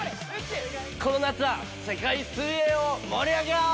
この夏は世界水泳を盛り上げよう！